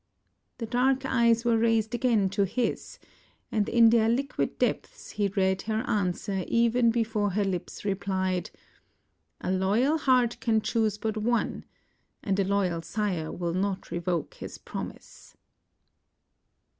The dark eyes were raised again to his and in their liquid depths he read her answer even before her hps replied, *'A loyal heart can choose but one, and a loyal sire will not revoke his promise."